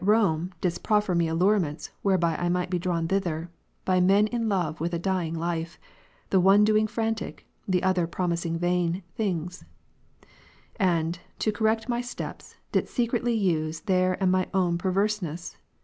75 Rome didst proffer me allurements, whereby I might be drawn thither, by men in love with a dying life, the one do ing frantic, the other promising vain, things; and, to correct my steps, didst secretly use their and my own perverseness.